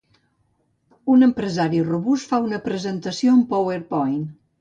Un empresari robust fa una presentació en PowerPoint.